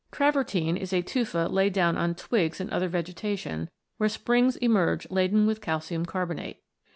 Travertine is a tufa laid down on twigs and other vegetation, where springs emerge laden with calcium carbonate.